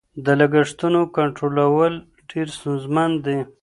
د لګښتونو کنټرولول ډېر ستونزمن دي.